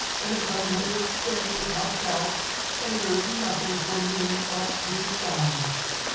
Cunegonde is dead without doubt, and there is nothing for me but to die.